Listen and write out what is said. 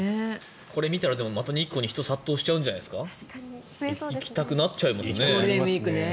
これを見たら、また日光に人が殺到しちゃうんじゃないですか？